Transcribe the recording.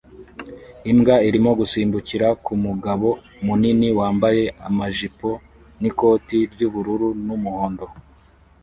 Imbwa irimo gusimbukira ku mugabo munini wambaye amajipo n'ikoti ry'ubururu n'umuhondo